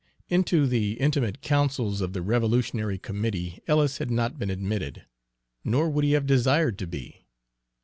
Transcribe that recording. Into the intimate counsels of the revolutionary committee Ellis had not been admitted, nor would he have desired to be.